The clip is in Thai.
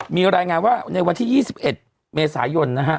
มีรายงานว่าในวันที่๒๑เมษายนนะฮะ